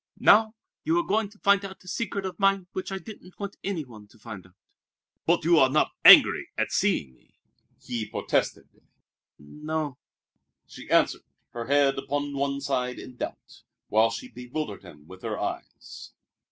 Now, you are going to find out a secret of mine which I didn't want any one to find out." "But you are not angry at seeing me," he protested. "N n o o!" she answered, her head upon one side in doubt, while she bewildered him with her eyes.